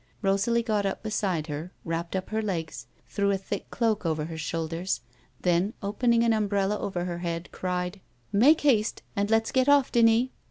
Rosalie got up beside her, wrapped up her legs, threw a thick cloak over her shoulders, then, opening an umbrella over her head, cried :" Make haste, and let's get off, Denis."